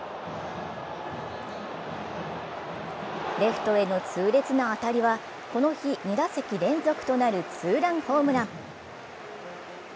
レフトへの痛烈な当たりはこの日２打席連続となるツーランホームラン。